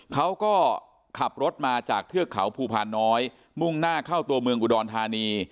เขาก็ขับรถมาจากเทือกเขาภูพาน้อยมุ่งหน้าเข้าตัวเมืองอุดรธานี